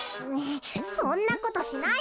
そんなことしないわよ！